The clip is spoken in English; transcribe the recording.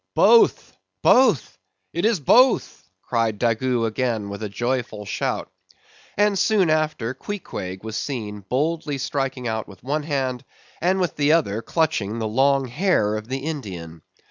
"Both! both!—it is both!"—cried Daggoo again with a joyful shout; and soon after, Queequeg was seen boldly striking out with one hand, and with the other clutching the long hair of the Indian.